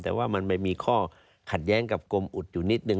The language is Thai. แต่ว่ามันไม่มีข้อขัดแย้งกับกรมอุดอยู่นิดนึ